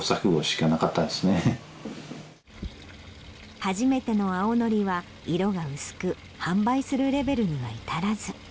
初めての青のりは色が薄く販売するレベルには至らず。